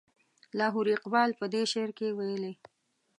لاهوري اقبال په دې شعر کې ویلي.